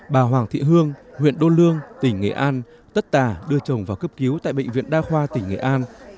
bà hoàng thị hương huyện đô lương tỉnh nghệ an tất tà đưa chồng vào cấp cứu tại bệnh viện đa khoa tỉnh nghệ an